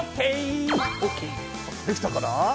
できたかな？